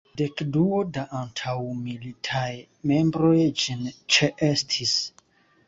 Dekduo da antaŭmilitaj membroj ĝin ĉeestis.